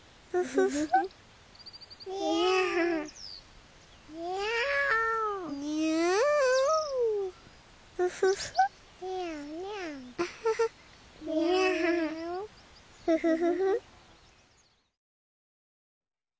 フフフフ。